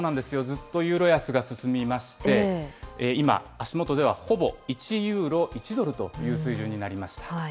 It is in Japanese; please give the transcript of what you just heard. ずっとユーロ安が進みまして、今、足元ではほぼ１ユーロ１ドルという水準になりました。